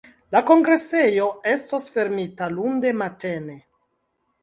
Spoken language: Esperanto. La kongresejo estos fermita lunde matene.